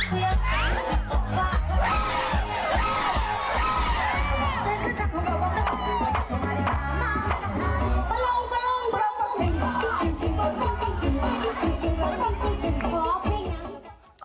เพราะอาทารณีด้วยกระดูกประพี